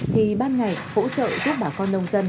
thì ban ngày hỗ trợ giúp bà con nông dân